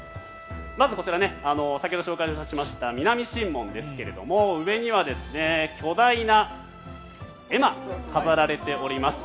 まずこちら、先ほど紹介した南神門ですが上には巨大な絵馬が飾られております。